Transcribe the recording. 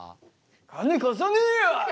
金貸さねえよ！